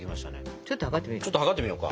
ちょっと測ってみようか。